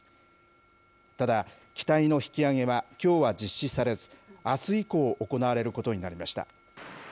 ただ、機体の引き揚げはきょうは実施されず、あす以降行われることになりました。